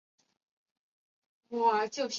艺术气氛浓厚的家庭